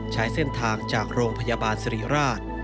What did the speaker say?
ใช้เส้นทางจากโรงพยาบาลสิริราช